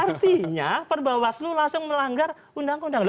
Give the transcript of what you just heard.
artinya perbawaslu langsung melanggar undang undang